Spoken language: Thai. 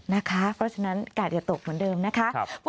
นะคะเพราะฉะนั้นกล้าจะตกเหมือนเดิมนะคะ